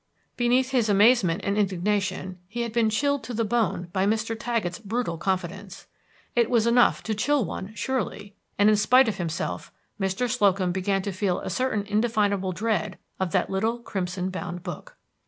Beneath his amazement and indignation he had been chilled to the bone by Mr. Taggett's brutal confidence. It was enough to chill one, surely; and in spite of himself Mr. Slocum began to feel a certain indefinable dread of that little crimson bound book.